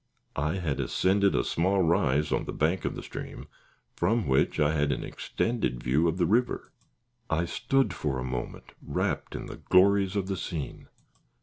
I had ascended a small rise on the bank of the stream, from which I had an extended view of the river. I stood for a moment wrapt in the glories of the scene.